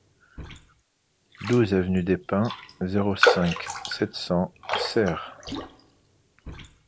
douze avenue des Pins, zéro cinq, sept cents, Serres